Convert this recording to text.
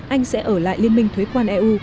anh sẽ ở lại liên minh thuế quan eu